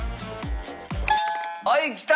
はいきた！